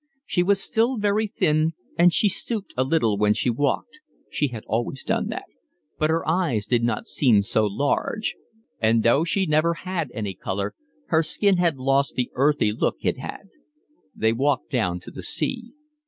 She was still very thin, and she stooped a little when she walked (she had always done that,) but her eyes did not seem so large; and though she never had any colour, her skin had lost the earthy look it had. They walked down to the sea.